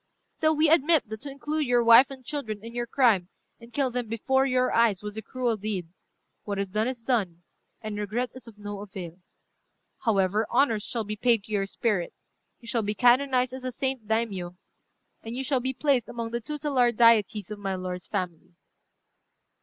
Still we admit that to include your wife and children in your crime, and kill them before your eyes, was a cruel deed. What is done, is done, and regret is of no avail. However, honours shall be paid to your spirit: you shall be canonized as the Saint Daimiyô, and you shall be placed among the tutelar deities of my lord's family."